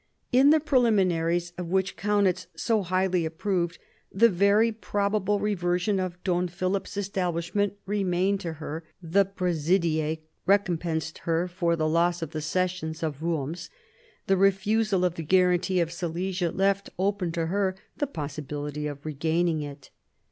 In the preliminaries of which Kaunitz so highly approved, the very probable reversion of Don Philip's establishment remained to her, the Presidie recompensed her for the loss of the cessions of Worms, the refusal of the guarantee of Silesia left open to her the possibility of regaining it.